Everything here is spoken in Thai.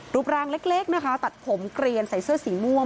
รูปร่างเล็กนะคะตัดผมเกลียนใส่เสื้อสีม่วง